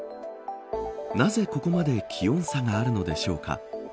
なぜここまで気温差があるのでしょうか。